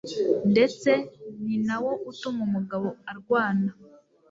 ndetse ni nawo utuma umugabo arwana